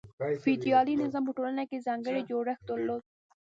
فیوډالي نظام په ټولنه کې ځانګړی جوړښت درلود.